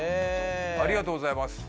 ありがとうございます。